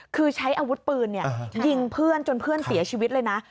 คือใช้อาวุธปืนยิงเพื่อนจนเพื่อนเสียชีวิตเลยนะ